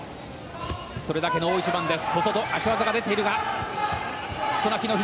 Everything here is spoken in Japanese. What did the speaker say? それだけの大一番です。